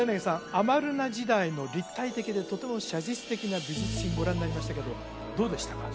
アマルナ時代の立体的でとても写実的な美術品ご覧になりましたけどどうでしたか？